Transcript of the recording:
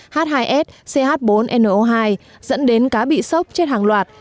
h hai s ch bốn no hai dẫn đến cá bị sốc chết hàng loạt